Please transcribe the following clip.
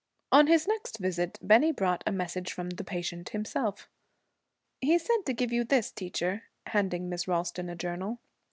On his next visit Bennie brought a message from the patient himself. 'He said to give you this, teacher,' handing Miss Ralston a journal.